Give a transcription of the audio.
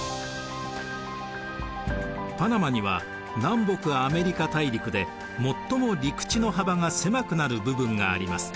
パナマには南北アメリカ大陸で最も陸地の幅が狭くなる部分があります。